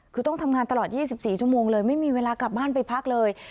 คือต้องทำงานตลอด๒๔ชั่วโมงเลยไม่มีเวลากลับบ้านไปพักเลย